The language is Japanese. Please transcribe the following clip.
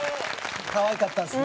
かわいかったですね。